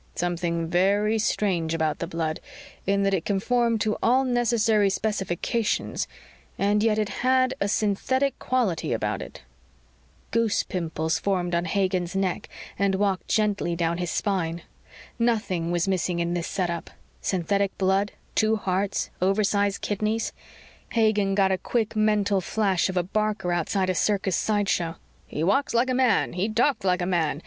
" something very strange about the blood in that it conformed to all necessary specifications and yet it had a synthetic quality about it ..." Goose pimples formed on Hagen's neck and walked gently down his spine. Nothing was missing in this setup synthetic blood, two hearts, oversize kidneys. Hagen got a quick mental flash of a barker outside a circus sideshow: _He walks like a man. He talks like a man.